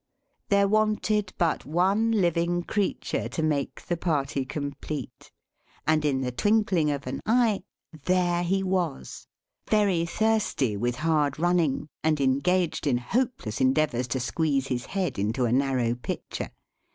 There wanted but one living creature to make the party complete; and, in the twinkling of an eye, there he was: very thirsty with hard running, and engaged in hopeless endeavours to squeeze his head into a narrow pitcher.